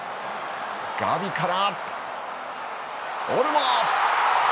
ガビからオルモ。